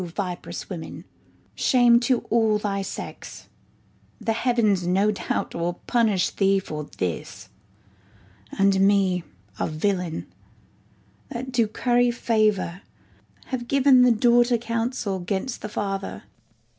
[Exit. Skall. Go, viperous woman, shame to all thy sex: The heavens, no doubt, will punish thee for this ; And me, a villain, that to curry favour, 40 Have given the daughter counsel 'gainst the father.